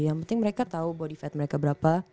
yang penting mereka tahu body fat mereka berapa